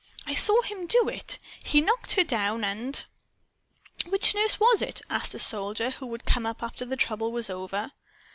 I saw him do it. He knocked her down and " "Which nurse was she?" asked a soldier who had come up after the trouble was over.